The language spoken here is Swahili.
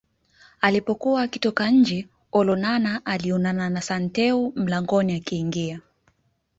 Alipokuwa akitoka nje Olonana alionana na Santeu mlangoni akiingia